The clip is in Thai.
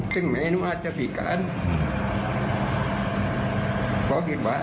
คือตรงนี้เราอยากได้